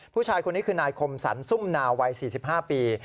ผู้ชายคนนี้คือนายคมสรรซุ่มนาวัย๔๕ปี